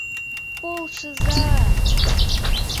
Полшыза-а!